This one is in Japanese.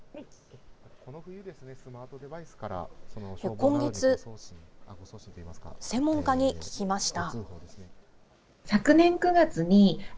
今月、専門家に聞きました。